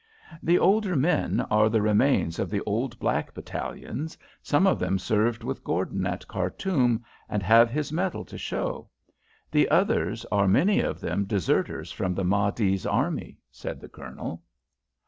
"The older men are the remains of the old black battalions. Some of them served with Gordon at Khartoum and have his medal to show. The others are many of them deserters from the Mahdi's army," said the Colonel.